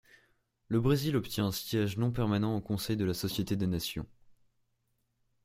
Le Brésil obtient un siège non permanent au Conseil de la Société des Nations.